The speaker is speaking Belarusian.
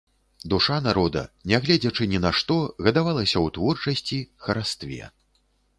Душа народа, нягледзячы на нішто, гадавалася ў творчасці, харастве.